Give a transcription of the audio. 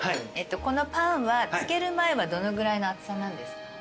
このパンは漬ける前はどのぐらいの厚さなんですか？